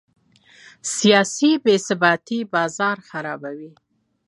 سیاسي بې ثباتي بازار خرابوي.